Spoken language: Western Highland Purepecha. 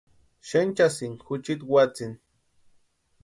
Xenchasïnka juchiti watsïni.